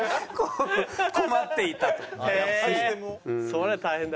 それは大変だ。